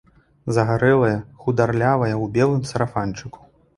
Загарэлая, хударлявая ў белым сарафанчыку.